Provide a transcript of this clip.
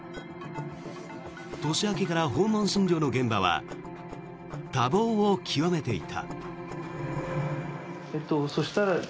年明けから訪問診療の現場は多忙を極めていた。